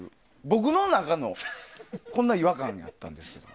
僕の中のこんな違和感だったんですけど。